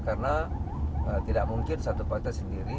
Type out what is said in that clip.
karena tidak mungkin satu partai sendiri